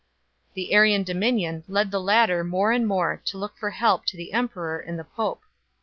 The Arian dominion led the latter more and more to look for help to the emperor and the pope.